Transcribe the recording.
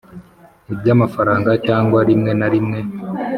iby amafaranga cyangwa O Rimwe na rimwe